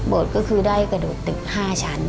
บทก็คือได้กระดูกตึกห้าชั้น